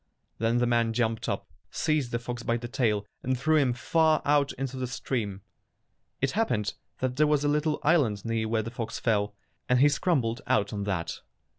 Then the man jumped up, seized the fox by the tail, and threw him far out into the stream. It happened that there was a little island near where the fox fell, and he scrambled out on that.